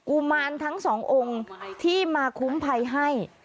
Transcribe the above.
ุมารทั้งสององค์ที่มาคุ้มภัยให้